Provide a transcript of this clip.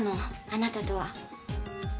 あなたとは。